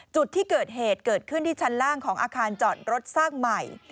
จุดที่เกิดเหตุเกิดขึ้นที่ชั้นล่างของอาคารจอดรถสร้างใหม่